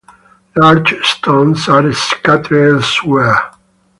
Large stones are scattered elsewhere.